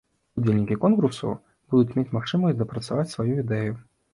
Удзельнікі конкурсу будуць мець магчымасць дапрацаваць сваю ідэю.